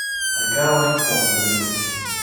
A girl makes waffles in the kitchen.